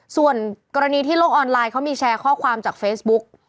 ส่วนกรณีที่โลกออนไลน์เขามีแชร์ข้อความจากเฟซบุ๊ก